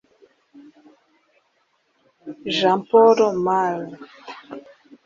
Jean-Paul Marat